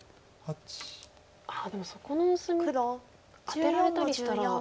でもそこの薄みアテられたりしたら。